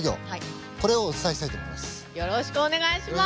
これをお伝えしたいと思います。